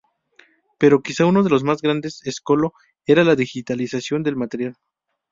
Pero quizá uno de lo más grandes escollo era la digitalización del material.